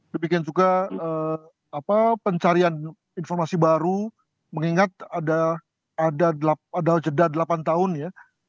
demikian juga pencarian informasi baru mengingat ada jeda delapan tahun ya